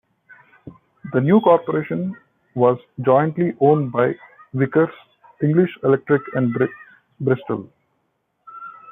The new corporation was jointly owned by Vickers, English Electric and Bristol.